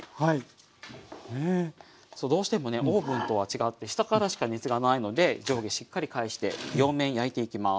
そうどうしてもねオーブンとは違って下からしか熱がないので上下しっかり返して両面焼いていきます。